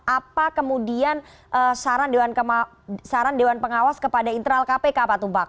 apa kemudian saran dewan pengawas kepada internal kpk pak tumpak